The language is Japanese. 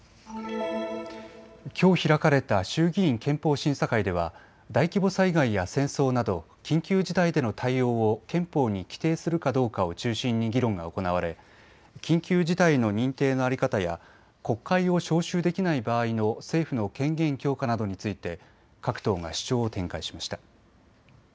きょう開かれた衆議院憲法審査会では大規模災害や戦争など緊急事態での対応を憲法に規定するかどうかを中心に議論が行われ緊急事態の認定の在り方や国会を召集できない場合の政府の権限強化などについて各党が主張を展開しました。